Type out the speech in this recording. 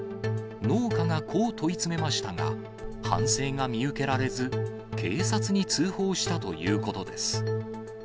農家がこう問い詰めましたが、反省が見受けられず、警察に通報したということです。